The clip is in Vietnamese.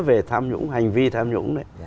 về tham nhũng hành vi tham nhũng